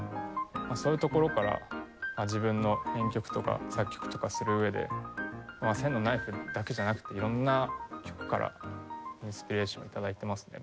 そういうところから自分の編曲とか作曲とかする上で『千のナイフ』だけじゃなくて色んな曲からインスピレーション頂いてますね